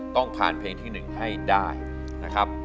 ต้องผ่านเพลงที่๑ให้ได้นะครับ